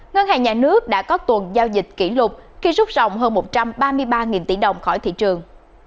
ngân hàng nhà nước đã có tuần giao dịch kỷ lục khi rút rộng hơn một trăm ba mươi ba tỷ đồng khỏi thị trường